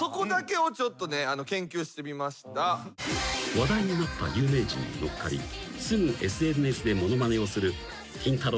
［話題になった有名人に乗っかりすぐＳＮＳで物まねをするキンタロー。